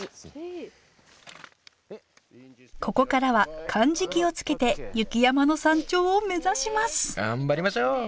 ここからはかんじきをつけて雪山の山頂を目指します頑張りましょう！